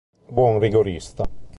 Buon rigorista.